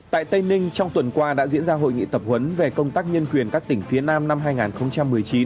tại tây ninh trong tuần qua đã diễn ra hội nghị tập huấn về công tác nhân quyền các tỉnh phía nam năm hai nghìn một mươi chín